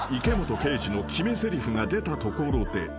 池本刑事の決めぜりふが出たところで］